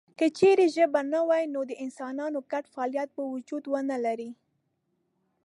که چېرته ژبه نه وي نو د انسانانو ګډ فعالیت به وجود ونه لري.